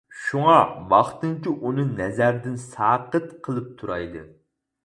شۇڭا ۋاقتىنچە ئۇنى نەزەردىن ساقىت قىلىپ تۇرايلى.